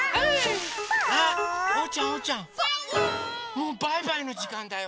もうバイバイのじかんだよ。